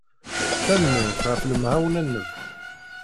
Tanemmirt ɣef lemɛawna-nnem.